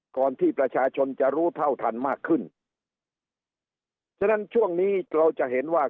ก่อนที่ประชาชนจะรู้เท่าทันมากขึ้นฉะนั้นช่วงนี้เราจะเห็นว่า